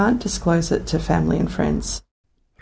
dan sehingga mereka tidak bisa menyebarkan hal ini kepada keluarga dan teman